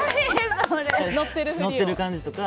乗ってる感じとか。